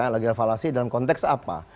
logikal falasi dalam konteks apa